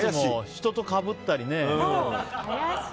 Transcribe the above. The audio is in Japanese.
人とかぶったりね。